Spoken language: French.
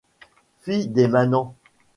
Fi des manants !